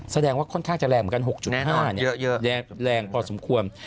แสดงว่าค่อนข้างจะแรงเหมือนกัน๖๕แรงพอสมควร